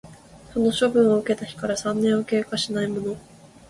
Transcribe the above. その処分を受けた日から三年を経過しないもの